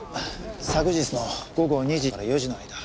昨日の午後２時から４時の間。